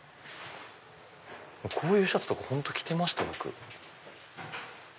こういうシャツとか本当着てました僕。